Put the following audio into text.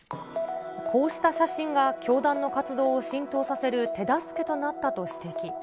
こうした写真が教団の活動を浸透させる手助けとなったと指摘。